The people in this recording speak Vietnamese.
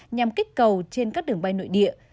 nhằm kích cầu trên các đường bay nội địa